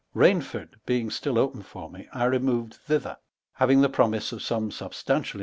Kainford being atill opeu for me, I removed thither, having the promise of some substantial!